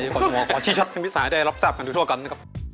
ก่อนที่มองขอชิ้นชัดให้มีสารให้ได้รับทราบกันทุกกันนะครับ